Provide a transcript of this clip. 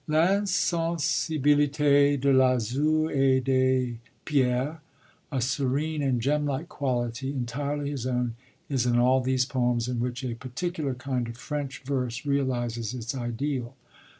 L'insensibilité de l'azur et des pierres: a serene and gem like quality, entirely his own, is in all these poems, in which a particular kind of French verse realises its ideal.